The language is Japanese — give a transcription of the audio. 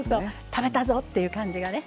食べたぞっていう感じがね。